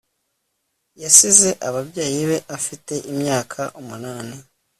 Yasize ababyeyi be afite imyaka umunani